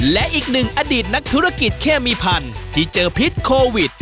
และอีกหนึ่งอดีตนักธุรกิจเคมีพันธุ์ที่เจอพิษโควิด